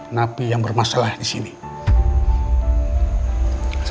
lagi sedang meng ciasekkan siapa